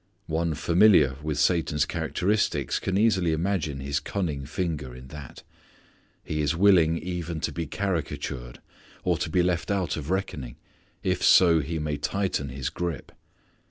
One familiar with Satan's characteristics can easily imagine his cunning finger in that. He is willing even to be caricatured, or to be left out of reckoning, if so he may tighten his grip.